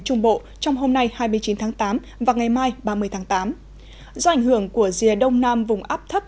trung bộ trong hôm nay hai mươi chín tháng tám và ngày mai ba mươi tháng tám do ảnh hưởng của rìa đông nam vùng áp thấp